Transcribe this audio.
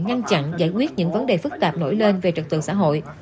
ngăn chặn giải quyết những vấn đề phức tạp nổi lên về trật tự xã hội